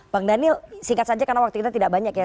bang daniel singkat saja karena waktu kita tidak banyak ya